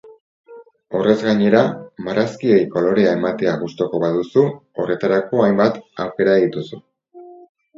Horrez gainera, marrazkiei kolorea ematea gustuko baduzu, horretarako hainbat aukera dituzu.